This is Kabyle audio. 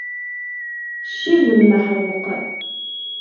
Ccib lmeḥṛuq!